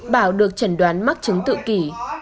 bảo được trần đoán mắc chứng tự kỷ